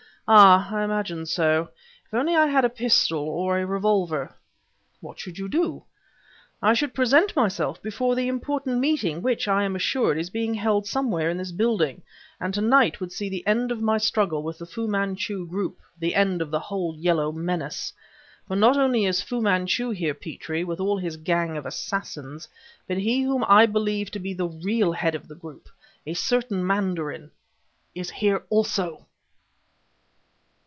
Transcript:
"Ah! I imagined so. If only I had a pistol, or a revolver " "What should you do?" "I should present myself before the important meeting, which, I am assured, is being held somewhere in this building; and to night would see the end of my struggle with the Fu Manchu group the end of the whole Yellow menace! For not only is Fu Manchu here, Petrie, with all his gang of assassins, but he whom I believe to be the real head of the group a certain mandarin is here also!"